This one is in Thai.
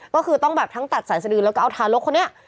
ก็คือต้องแบบทั้งตัดสายสดือแล้วก็เอาทารกคนนี้